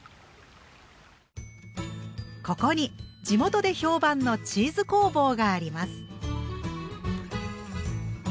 ここに地元で評判のチーズ工房があります。